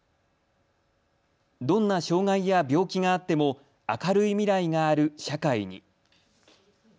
どんな障害や病気があっても明るい未来がある社会に。